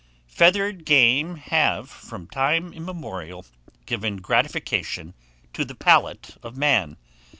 FEATHERED GAME HAVE FROM TIME IMMEMORIAL given gratification to the palate of man.